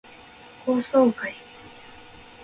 高層階